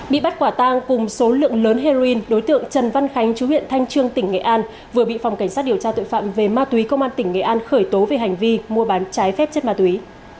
bị bắt quả tang cùng số lượng lớn heroin đối tượng trần văn khánh chú huyện thanh trương tỉnh nghệ an vừa bị phòng cảnh sát điều tra tội phạm về ma túy công an tỉnh nghệ an khởi tố về hành vi mua bán trái phép chất ma túy